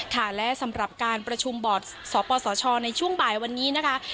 ค่ะและสำหรับการประชุมบอร์ดสปสชในช่วงบ่ายวันนี้นะคะ